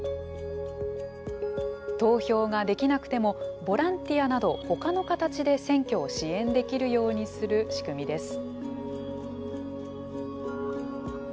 投票ができなくてもボランティアなどほかの形で選挙を支援できるようにする仕組みです。